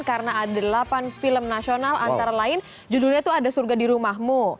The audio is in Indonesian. karena ada delapan film nasional antara lain judulnya itu ada surga di rumahmu